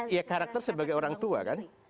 ya karakter sebagai orang tua kan